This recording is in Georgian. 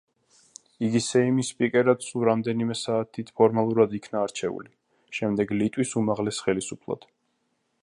იგი სეიმის სპიკერად სულ რამდენიმე საათით ფორმალურად იქნა არჩეული, შემდეგ ლიტვის უმაღლეს ხელისუფლად.